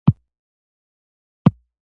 د نیلوفر ګل د څه لپاره وکاروم؟